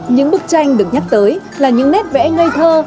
những bức tranh được nhắc tới là những nét vẽ ngây thơ